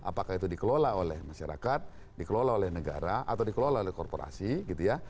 apakah itu dikelola oleh masyarakat dikelola oleh negara atau dikelola oleh korporasi gitu ya